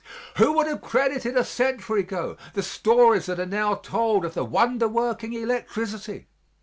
Who would have credited a century ago the stories that are now told of the wonder working electricity?